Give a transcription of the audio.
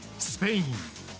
スペイン。